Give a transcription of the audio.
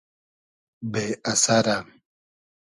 بې اسئرۂ